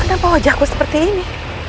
kenapa wajahku seperti ini